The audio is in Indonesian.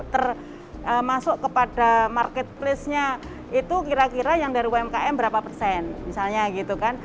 termasuk kepada marketplace nya itu kira kira yang dari umkm berapa persen misalnya gitu kan